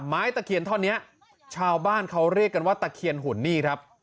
ตะเคียนท่อนนี้ชาวบ้านเขาเรียกกันว่าตะเคียนหุ่นนี่ครับ